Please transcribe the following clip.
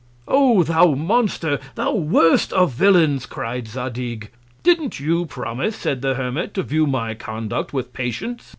O thou Monster! thou worst of Villains, cry'd Zadig! Didn't you promise, said the Hermit, to view my Conduct with Patience?